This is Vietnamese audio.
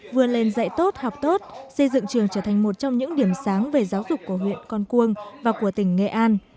vừa lên dạy tốt học tốt xây dựng trường trở thành một trong những điểm sáng về giáo dục của huyện con cuông và của tỉnh nghệ an